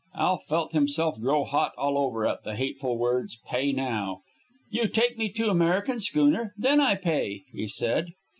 Alf felt himself grow hot all over at the hateful words "pay now." "You take me to American schooner; then I pay," he said.